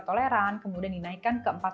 toleran kemudian dinaikkan ke empat puluh